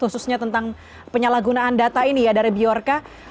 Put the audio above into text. khususnya tentang penyalahgunaan data ini ya dari biorca